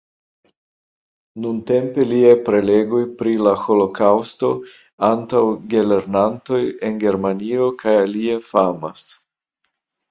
Nuntempe liaj prelegoj pri la holokaŭsto antaŭ gelernantoj en Germanio kaj alie famas.